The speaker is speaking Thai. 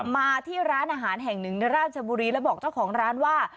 มาที่ร้านอาหารแห่งหนึ่งในราชบุรีแล้วบอกเจ้าของร้านว่า